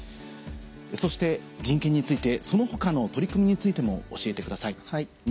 そして人権についてその他の取り組みについても教えてください。